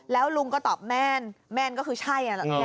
แล้วลุงก็ตอบแม่นแม่นก็คือใช่